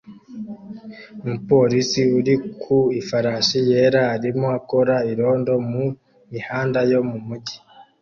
Umupolisi uri ku ifarashi yera arimo akora irondo mu mihanda yo mu mujyi